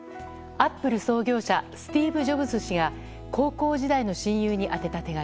アップル創業者スティーブ・ジョブズ氏が高校時代の親友に宛てた手紙。